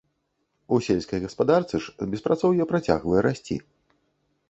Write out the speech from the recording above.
У сельскай гаспадарцы ж беспрацоўе працягвае расці.